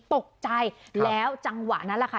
ตกใจแล้วจังหวะนั้นแหละค่ะ